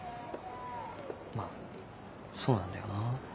まあそうなんだよな。